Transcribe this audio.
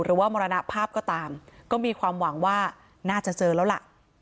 มรณภาพก็ตามก็มีความหวังว่าน่าจะเจอแล้วล่ะ